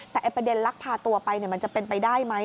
แต่ประเด็นลักพาตัวไปมันจะเป็นไปได้ไหม